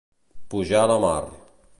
Pujar la mar.